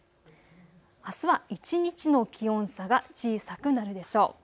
あすは一日の気温差が小さくなるでしょう。